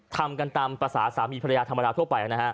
ทำกันตามปาร์สาสาสามีภรรยาธรรมดาทั่วไป